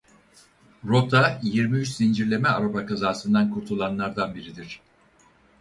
Rota yirmi üç zincirleme araba kazasından kurtulanlardan biridir.